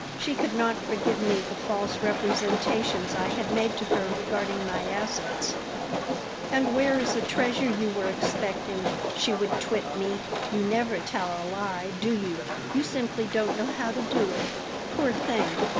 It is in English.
She could not forgive me the false representations I had made to her regarding my assets "And where is the treasure you were expecting?" she would twit me. "You never tell a lie, do you? You simply don't know how to do it. Poor thing!"